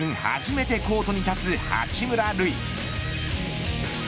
初めてコートに立つ八村塁。